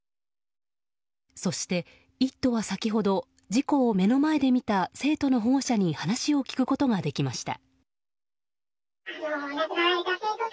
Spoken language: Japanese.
そして、「イット！」は先ほど事故を目の前で見た生徒の保護者に話を聞くことができました。